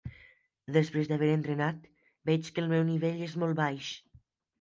Després d'haver entrenat, veig que el meu nivell és molt baix.